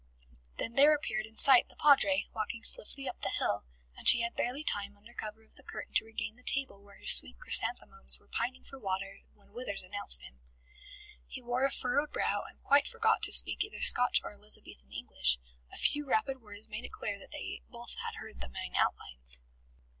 Then there appeared in sight the Padre, walking swiftly up the hill, and she had barely time under cover of the curtain to regain the table where her sweet chrysanthemums were pining for water when Withers announced him. He wore a furrowed brow and quite forgot to speak either Scotch or Elizabethan English. A few rapid words made it clear that they both had heard the main outlines.